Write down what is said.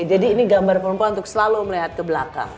jadi ini gambar perempuan untuk selalu melihat ke belakang